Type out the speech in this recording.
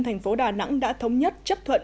thành phố đà nẵng đã thống nhất chấp thuận